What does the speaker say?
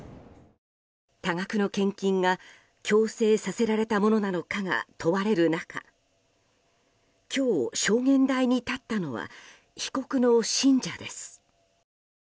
多額の献金が強制させられたものなのかが問われる中、今日証言台に立ったのは被告の信者です。